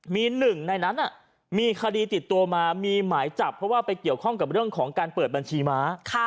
มีหนึ่งในนั้นมีคดีติดตัวมามีหมายจับเพราะว่าไปเกี่ยวข้องกับเรื่องของการเปิดบัญชีม้า